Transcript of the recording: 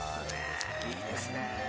いいですね。